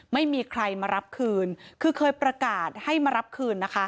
ไม่มีใครมารับคืนคือเคยประกาศให้มารับคืนนะคะ